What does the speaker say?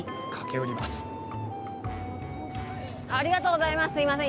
ありがとうございます。